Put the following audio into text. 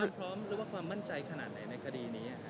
พร้อมหรือว่าความมั่นใจขนาดไหนในคดีนี้